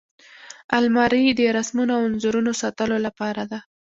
الماري د رسمونو او انځورونو ساتلو لپاره ده